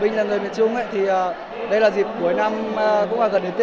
mình là người miền trung thì đây là dịp cuối năm cũng gần đến tết rồi